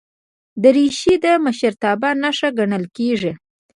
دریشي د مشرتابه نښه ګڼل کېږي.